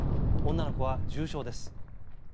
女の子は重傷です。